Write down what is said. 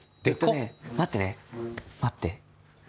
えとね待ってね待って。